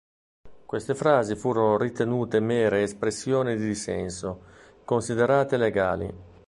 Queste frasi furono ritenute mere espressioni di dissenso, considerate legali.